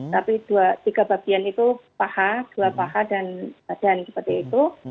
tapi tiga bagian itu paha dua paha dan badan seperti itu